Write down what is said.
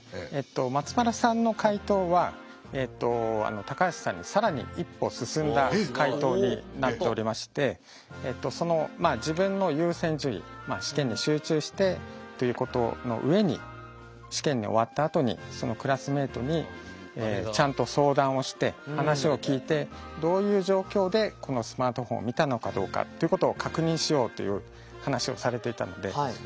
松丸さんの解答は高橋さんに更に一歩進んだ解答になっておりましてまあ自分の優先順位試験に集中してということの上に試験が終わったあとにそのクラスメートにちゃんと相談をして話を聞いてどういう状況でこのスマートフォンを見たのかどうかっていうことを確認しようという話をされていたのでうれしい。